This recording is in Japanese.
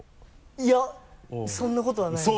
いやそんなことはないです。